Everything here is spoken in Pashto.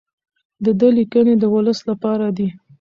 د ده لیکنې د ولس لپاره دي.